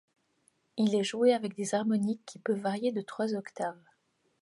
Il est joué avec des harmoniques, qui peuvent varier de trois octaves.